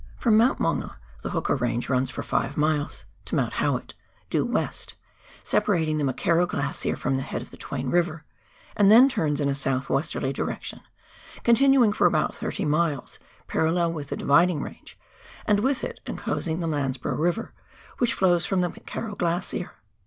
From Mount Maunga, the Hooker Range runs for 5 miles (to Mount Howitt) due west, separating the McKerrow Glacier from the head of the Twain River, and then turns in a south westerly direction, continuing for about thirty miles parallel with the Dividing Range, and with it enclosing the Landsborough River, which flows from the McKerrow Glacier.